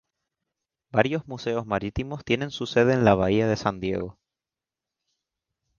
Varios museos marítimos tienen su sede en la bahía de San Diego.